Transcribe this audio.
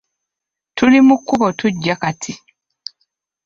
Tuli mu kkubo tujja kati.